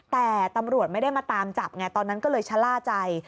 แต่ตำรวจไม่ได้มาตามจับไงตอนนั้นก็เลยชะล่าใจ